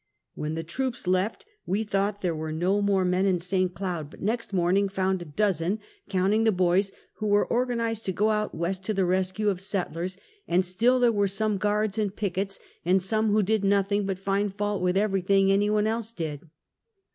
"When the troops left, we thought there were no more Indian Massacre of '62. 231 men in St. Cloud, but next morning found a dozen, counting tlie boys, who were organized to go out west to the rescue of settlers, and still there were some guards and pickets, and some who did nothing but find fault with everything any one else did.